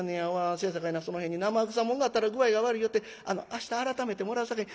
せやさかいなその辺に生臭もんがあったら具合が悪いよって明日改めてもらうさかい